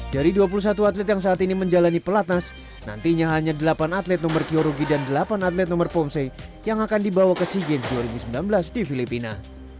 dari dua puluh satu atlet yang saat ini menjalani pelatnas nantinya hanya delapan atlet nomor kyorugi dan delapan atlet nomor pomse yang akan dibawa ke sea games dua ribu sembilan belas di filipina